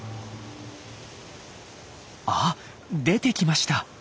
あっ出てきました。